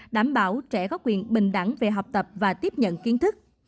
đảm bảo trẻ có quyền bình đẳng về học tập và tiếp nhận kiến thức